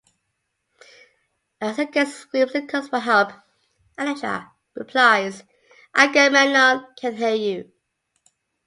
As Aegisth screams and calls for help, Elektra replies: Agamemnon can hear you.